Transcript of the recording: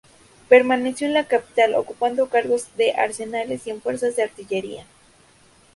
Permaneció en la capital, ocupando cargos en arsenales y en fuerzas de artillería.